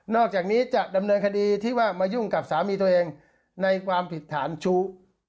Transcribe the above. อกจากนี้จะดำเนินคดีที่ว่ามายุ่งกับสามีตัวเองในความผิดฐานชู้